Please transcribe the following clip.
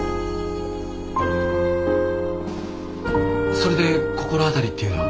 それで心当たりっていうのは？